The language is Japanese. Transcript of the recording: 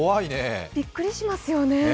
びっくりしますよね。